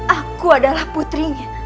aku adalah putrinya